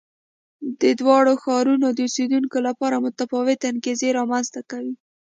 د دواړو ښارونو د اوسېدونکو لپاره متفاوتې انګېزې رامنځته کوي.